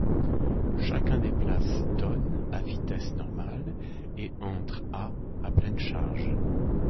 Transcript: Chacun déplace tonnes à vitesse normale et entre à à pleine charge.